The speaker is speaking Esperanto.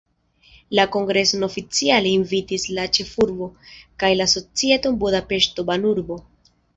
La kongreson oficiale invitis la ĉefurbo kaj la Societo Budapeŝto-Banurbo.